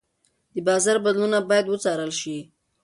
د بازار بدلونونه باید وڅارل شي.